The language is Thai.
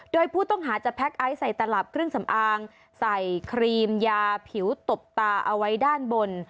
โดยผู้ต้องหาจะแพ็คไอซ์ใส่ตลับเครื่องสำอางใส่ครีมยาผิวตบตาเอาไว้ด้านบน